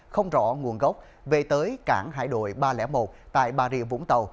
không rõ nguồn gốc về tới cảng hải đội ba trăm linh một tại bà rịa vũng tàu